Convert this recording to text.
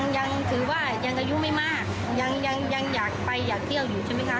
ยังถือว่ายังอายุไม่มากยังอยากไปอยากเที่ยวอยู่ใช่ไหมคะ